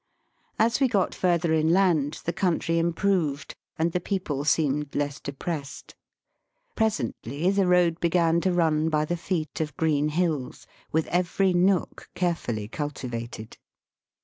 As we got further inland the country improved and the people seemed less depressed. Presently the road began to run by the feet of green hills with every nook carefully cultivated.